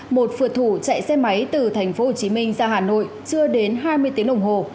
một phượt thủ chạy xe máy từ tp hcm ra hà nội chưa đến hai mươi tiếng đồng hồ